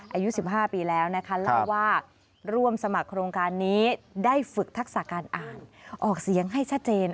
อายุ๑๕ปีแล้วนะคะเล่าว่าร่วมสมัครโครงการนี้ได้ฝึกทักษะการอ่านออกเสียงให้ชัดเจน